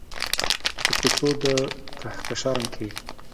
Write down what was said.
په کوڅو د کهکشان کې